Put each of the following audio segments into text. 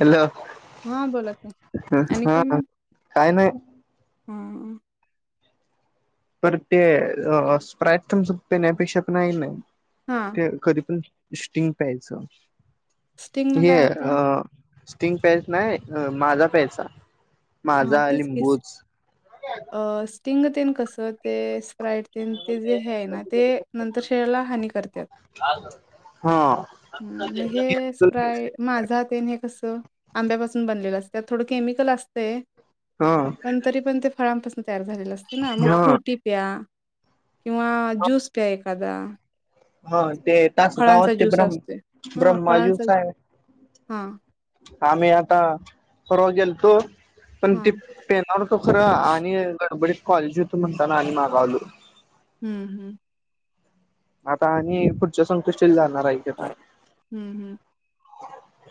Hello. हा बोला की आणि हा. काही नाही. हां. तर ते स्प्राइट तुमचं पिण्यापेक्षा, पण नाही नाही. हा ते कधी पण स्टिंग प्यायचं स्टिंग न हे काय होतंय? अ 'स्टिंग' प्यायचं नाही, 'माझा' प्यायचा. हा माझा,. तेच की लिंबूच अ स्टिंग तेन कसं ते राईट ते जे हे आहे ना ते नंतर शरिराला हानी करतात. हा हम् हे स्प्राय माझात आहेन हे कसं. आंब्यापासून बनलेलं असत थोडं केमिकल असते हा पण तरी पण ते फळांपासून तयार झालेलं असते ना मग हा फ्रुटी प्या. किंवा जुस प्या एखादा. हा ते तासगावात फळांचा ते ज्यूस ब्रह्म असतोय हा फळांचा ब्रह्माजूच आहे हा. आम्ही आता परवा गेलतो. पण हा ते पेनावर तो खरं आणि गडबडीत कॉलेजी होत म्हणताना आणि मागावलो. हम्म हम्म. आता आणि पुढच्या संकष्टीला जाणार आहे कि आता. हम्म हम्म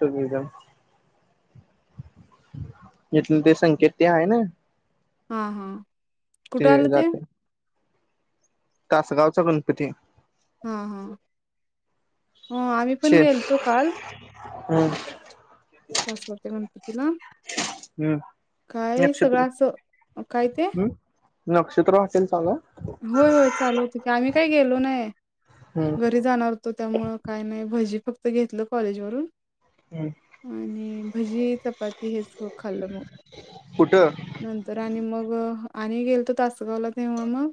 सुविधा. इथलं ते संकेत ते आहे ना. हा हा. ते कुठं आलं जात. तासगावचा गणपती. हा हा ह आम्ही पण शे गेलतो काल. हम्म. तासगावच्या गणपतीला. हम्म काय नक्षत्र सगळ्यांचं काय ते? हम्म नक्षत्र हॉटेल चालू हाय? होय होय चालू होते आम्ही काही गेलो नाही. हम्म घरी जाणार तो त्यामुळ काय नाही भजी फक्त घेतलं कॉलेजवरून हम्म आणि भजी, चपाती ते हेच खाल्लं मग कुठं नंतर आणि मग आणि गेलतो तासगावला तेव्हा मग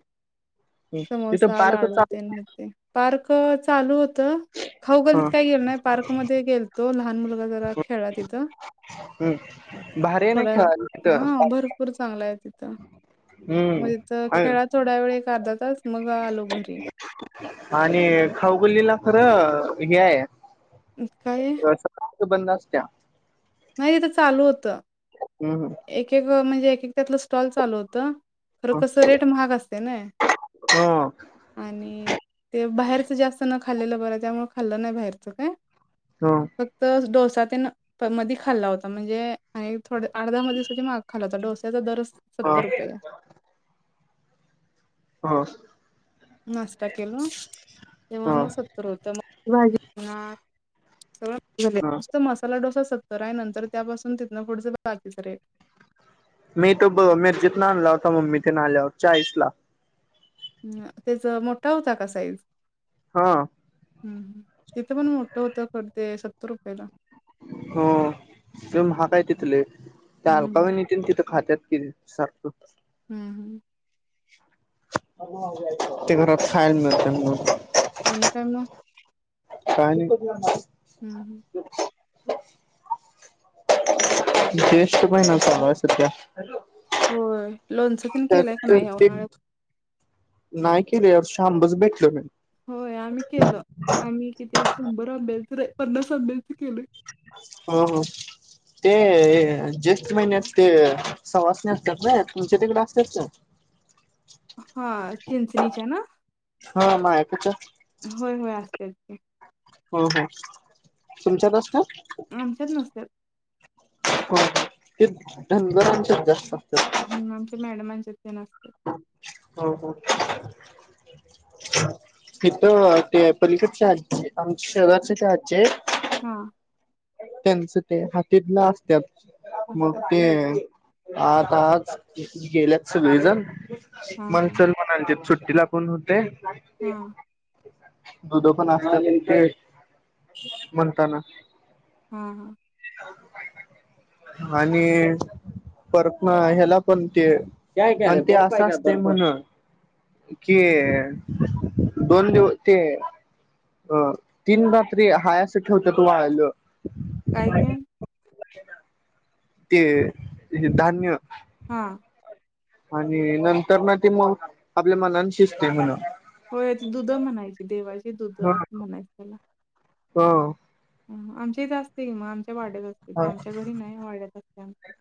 हम्म तिथं समोसा पार्क लाडू चालू तेनवते पार्क चालू हो तं हा खौगलीत काय गेलो नाही पार्क मध्ये गेलतो लहान मुलगा जरा खेळाला तिथं. हम्म. भारी आहे ना थोड्या खेळायला तिथं हं भरपूर चांगला आहे तिथ हम्म मग तिथ आहे खेळात एक अर्धा तास मग आलो. आणि खाऊगलीला खरं हे आहे. इ काय ये? सकाळचं बंद असत्या. नाही तेथ चालू होतं. हम्म हम्म. एक एक म्हणजे एक एक त्यातलं स्टॉल चालू होतं. खर कस रेट महाग असते ना हम्म आणि ते बाहेर चं जास्त न खाल्लेलं बर, मग खाल्लं नाही बाहेरच काय. ह ह तेन मधी खाल्ला होता म्हणजे आणि थोडं अर्धा मध्ये दिवसाच्या माग खाल्ल होता डोस्याचा दर- हा. हो. नाश्ता केलो ह तेव्हा ह मग सत्तर होत मग भाजी ह [unintelligible] मसाला डोसा सतर आहे नंतर त्यापासून तिथनं पुढचं बाकीच रेट. मी तो ब मिर्चीतन आणला होता मम्मी तेन आल्यावर चाळीस ला. ह त्याच मोठा होता का साईज? हा. हूं तिथं पण मोठं होतं पण ते सत्तर रुपयाला हो ते म्हाग काय तिथले त्या हम्म, अलकावहिनी तीन तिथं खातत कि सक् [unintelligible] हूं! ते घरात खायाला मिळत न मग आणि काय म! काय नही. हं. जेष्ठ महिना चालू आहे सध्या. हो लोणचं पण केलंय का नाही उन्हाळ्यात. नायकेले यावर्षी आंबज भेटल नाही होय आम्ही केलं, आम्ही किती शंभर आंब्याचं नाई पन्नास आंब्याच केलं. हो हो! ते ज्येष्ठ महिन्यात ते सवासणी असत्यात ना, तुमच्या तिकड असत्यात का? [inaudible] हा चिंचणीच्या ना हा म ऐकूच होय, होय असत्यात की. हो हो तुमच्याआसत्या आमच्यात नसत्यात. हो ते न धनगरांच्यात जास्त. असतात हम्म, [unintelligible] हो हो! तिथं ते पलीकड आजी आमच्या शहराच्या आजी आहे. हा! त्यांचं ते हातीतलं असत्या मग असत्यात काय? ते आता आज गेल्यात सगळेजण हां, हां. मणचल म्हनाले ते सुट तिला कोण होतय. हूं! दुध पण असतात ते म्हणताना. हा हा. आणि? परत म ह्याला पण ते ते अस म्हनून. कि दोन दिव ते अ तीन रात्री हाया अस ठेवत्यात वाळायला काय ते? ते हे धान्य. हा! आणि नंतर ना ते मग आपल्या मनान शिजते म्हण. होय ती दुध म्हणायची देवाची दुध ह आसं म्हणायच त्याला हो! आमच्या इथं असते किं, म आमच्या वाड्यात असते हा आमच्या घरी नाही, वाड्यात असते आमच्या.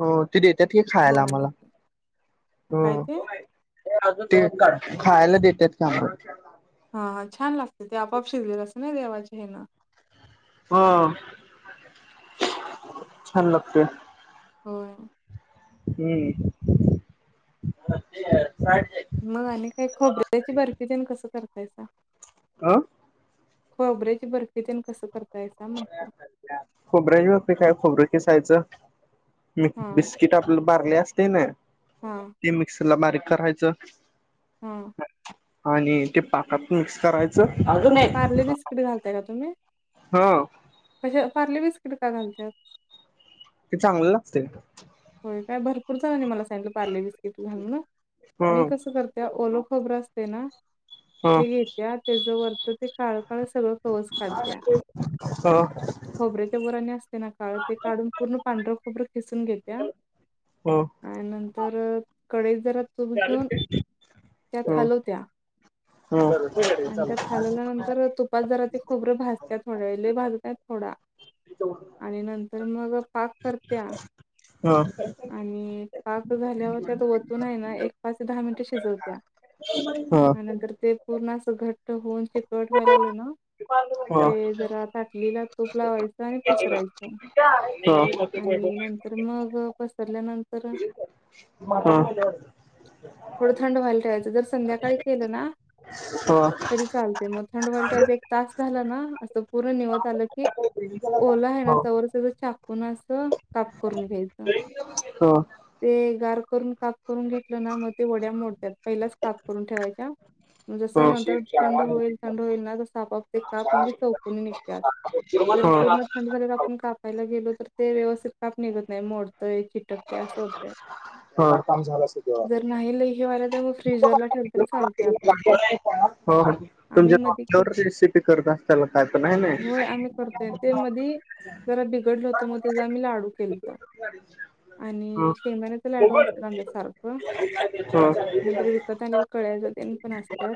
हो ते देतात की खायला होय आम्हाला असते. काय हो ते? ते खायला देतात की आमाला हा छान लागते ते आपआप शिजलेलं असत ना देवाचे हेन हं छान लागतेय होय. ! हूं! मग आणि काही खोबर्याची बर्फी तेन कसं करतायसा आ. खोबऱ्याची बर्फी ते न कसं करताय खोबऱ्याची बर्फी काय खोबरं किसायचं. मिक हां, बिस्किट आपला बारले असते ना हां, ते मिक्सरला बारीक करायचं. हम. आणि ते पाकात मिक्स करायचं. पार्ले बिस्किट घालताय का तुम्ही? हो. कशा पार्ले बिस्किट का घालतात? ते चांगलं लागतय. काय भरपूर झनानि मला सा.. पार्ले बिस्कीट घालून ह मी कस करते ओल खोबर असतय ना.. ह ते घेत्या या त्याच वरच ते काळ काळ सगळं कवच काढत्या. ह खोबरे ते बरणी असते ना काळ ते काढून पूर्ण पांढर खोबरं खिसून घेते. ह त्याआणि नंतर कडे. जरा तुप घेऊन त्यात ह हलवत्या. बरं आणि त्यात चालतंय. हालवल्यानंतर तुपात जरा ते खोबरे भाजत थोड्या वे भाजतय थोडा. आणि नंतर मग. पाक करत्या आणि पाक झाल्यावर त्यात वतून आहे ना एक. पाच दहा मिनिटं शिजवत्या आणि नंतर ते पूर्ण अस घट्ट होऊन ते. कट व्हाय लावले ना ते जरा ताटलीला तूप लावायचं आणि पसरायचं आणि नंतर मग पसरल्यानंतर हम. थोडं थंड व्हायला ठेवायचं जर संध्याकाळी केलं ना तरी चालते मग थंडवालट्याचा एक तास झाला ना असं पूर्ण निवत आलं की ओला आहे ना त्यावर त्याच चाकून असं काप करून घ्यायचं. ते गार करून काप करून घेतलं ना मग ते वड्या मोडतात पहिलाच काप करून ठेवायच्या. जसं नंतर थंड होईल थंड होईल ना तस आपोआप ते काप म्हणजे चौकून निघत्यात जर पूर्ण थंड झाल्यावर आपुन कापायला गेलो तर ते व्यवस्थित काप निघत नाही मोडतंय चिटकतय असं होतं. हो जर नाही ल हेवाला तर मग फ्रीजरला ठेवून तरी चालत आपण ते हो आम्ही मध्ये तुमच्यावर रेसिपी करत अस त्याला खायच नाही ना होय आम्ही करतोय ते मधी जरा बिघडलं होतं मग तेचा आ म्ही लाडू केल. [inaudible] ह आणि शेंगदाण्याचे लाडू असतील आच्या्यासारखं. नंतर विकत हम्म आलेल्या कळ्या ज देन पण असत्या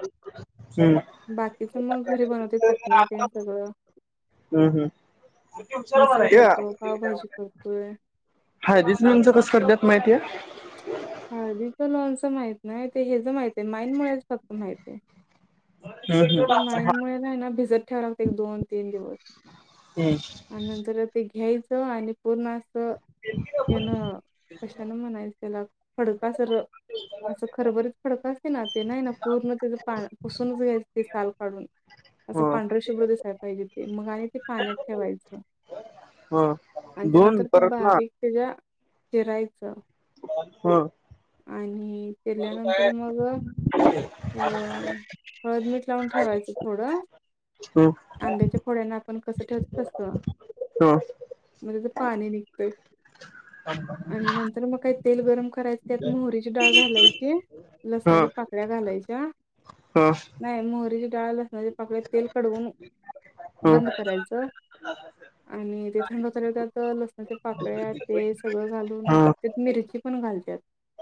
बाकीच मग घरी बनवते चटण्या त सगळं हम्म हम्म मिसळ करतो पावभाजी करतोय हा. बिजनेचं कसं कर दत माहिती आहे. हळदीचं लोनचं माहित नाही ते हेच माहित आहे माईन मुच फक्त माहित आहे. हम्म ते हम्म माईंमुळे नाही ना भिजत ठेवा लागत एक दोन, तीन, दिवस हम्म. आणि नंतर आता घ्यायचं आणि पूर्ण असं घण कशान म्हणायचं. त्याला फडका सर असं खरबरच फडकच ना ते नाही ना पूर्ण त्याच पा पुसूनच घ्यायचं ते साल काढून हा असं पांढर शुभ्र दिसायला पाहिजे ते मग आणि ते पाण्यात ठेवायचं. हा आणि दोन त्यानंतर ते परत बारीक त्याच्या चिरायचं. हो. आणि केल्यानंतर मग अ हळद मिठ लावून ठेवायच थोडं. ह आंब्याच्या फोड्यांना आपण कस ठेवतच असत ह म्हणजेच पाणी निघत आणि नंतर मग काही तेल गरम कर करायची त्यात मोहरीची डाळ घालायची लसणाच्या पाकड्या घालायची हा. नाही मोहरीची डाळल असणार पाकड तेल कडवून ह ह बंद करायचं. आणि ते थंड हो झाले त्यात लसणाच्या पाकळ्या ते सगळं घालून त्या मिरची ण घालतात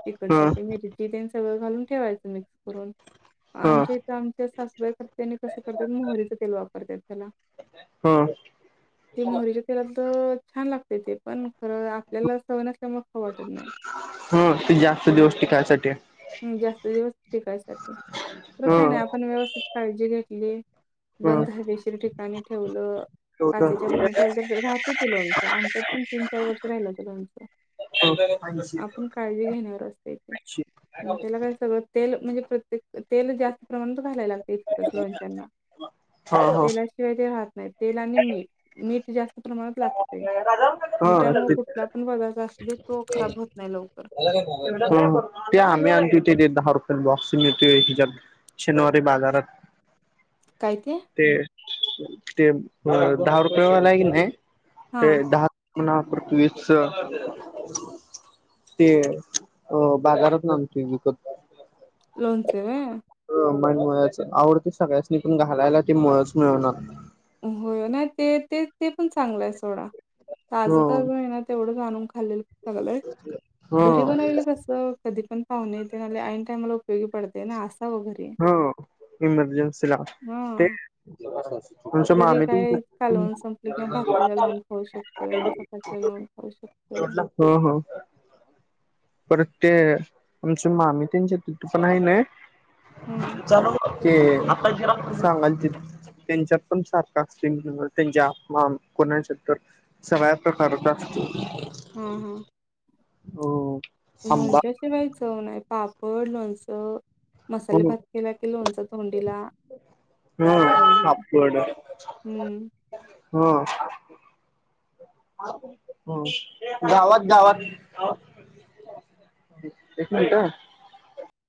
तिकड मिगं घालून. ठेवायचं मिक्स करून ह आमच्या आमच्या सासूऱ करते्या आणि कसं करतात मोहरीच तेल वापरतात त्याला ह ह ते मोहरीच्या तेलात तर छान लागते ते पण खरं आपल्याला सव ह ते जास्त दिोष्टी कायसाठी. हम् जास्त दिवस टिकायसाठी तर ह काय नाही आपण व्यवस्थित काळजी घेतली. ह बंद हदशीर ठिकाणी ठेवलं. चौदा पाशीच्या बहिणी ठेवल तर राहते ती लोणचं आमच्यात पण तीन चार वर्ष राहिल हो तर लोणचं ऐंशी आपण काळजी घेणारवर असत इथे ऐंशी मग त्याला काय सगळं तेल म्हणजे प्रत्येक तेल जास्त प्रमाणात घायला लागते इतकंच लोणच्यांना हा हा तेल्याशिवाय ते राहत नाही. तेल आणि मीठ मीठ जास्त प्रमाणात लागते. मी हा त्यामुळे ते कुठला पण बगाचा अस तो खराब होत नाही ल [inaudible] म आणनत ते द हर बक्सिंग य त हिजा शनवारी बाजारात काय ते ते दहा रुपयेवाला क नाही हा ते दहा ना पुर्तुगज ते अ बाजारात नामते विकत लोनचे र मुच आवडते सगळ्याचनी पण घालायला ते मुच मिळणार. होय ना ते ते ते पण चांगलंय सोडा हो ताजं तर आहे ना तेवढं जा आणून खाल्लेल. चगलंय हो घरी बनवल कस कधी पण हो न येतन ईन टईमल उपयोग पडतेय ना अस हो इमर्जन्सी ला हा ते तुमच्या जरी मामी काय त कालवून संपली किंवा भाकरीला लावून खाऊ शकतोय चपातीला लावून खाऊ शकतोय. हा हा. परत ते आमच मामी त्यांच्या तिथे पण आहे ना. हम्म ल ओक सांगाल त्यांच्यात पण सारखा असतील त्यांच्या कोणाच्या तर सव्या प्रकार असते. हो आंबा लोणच्याची माही चवण आहे पापड लोणचं. हो मसाले भात केला की लोणचा तोडीला हम सापड हम्म. हा. ह गावात गावात. एकूनता